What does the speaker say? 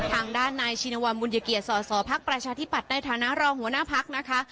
ทางด้านนายชินวรรณ์บุญเกียรติศาสตร์ภักดิ์ประชาธิปัตย์ในฐานะรองหัวหน้าภักดิ์นะคะ